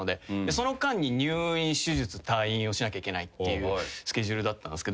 その間に入院手術退院をしなきゃいけないっていうスケジュールだったんですけど。